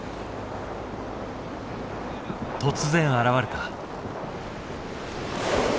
突然現れた。